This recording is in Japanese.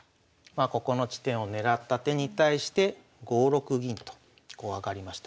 ここの地点を狙った手に対して５六銀とこう上がりました。